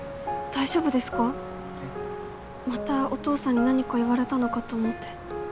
またお父さんに何か言われたのかと思って。